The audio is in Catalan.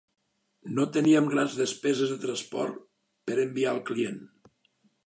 No teníem grans despeses de transport per enviar al client.